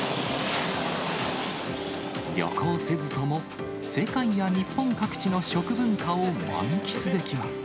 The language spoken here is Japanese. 旅行せずとも、世界や日本各地の食文化を満喫できます。